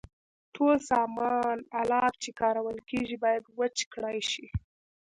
ټول سامان آلات چې کارول کیږي باید وچ کړای شي.